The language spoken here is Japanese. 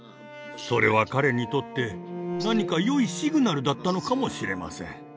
それは彼にとって何かよいシグナルだったのかもしれません。